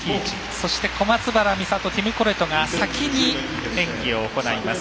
そして小松原美里、ティム・コレトが先に演技を行います。